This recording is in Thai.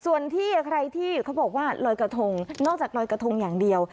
ส่วนที่ใครที่เขาบอกว่าลอยกระทงนอกจากลอยกระทงอย่างเดียว